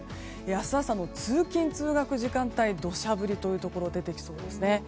明日朝も通勤・通学時間帯土砂降りというところが出てきそうです。